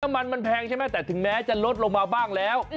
น้ำมันมันแพงใช่ไหมแต่ถึงแม้จะลดลงมาบ้างแล้ว